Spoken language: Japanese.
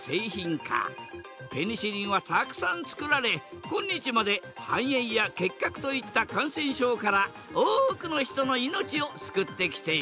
ペニシリンはたくさんつくられ今日まで肺炎や結核といった感染症から多くの人の命を救ってきている。